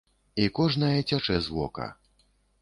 І кожная цячэ з вока.